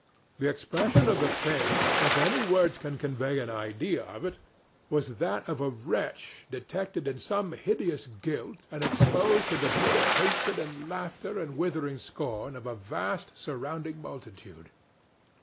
The expression of the face, if any words can convey an idea of it, was that of a wretch detected in some hideous guilt and exposed to the bitter hatred and laughter and withering scorn of a vast surrounding multitude.